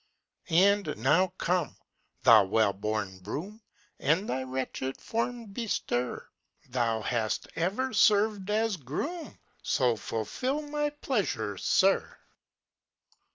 And now come, thou well worn broom, And thy wretched form bestir; Thou hast ever served as groom, So fulfil my pleasure, sir!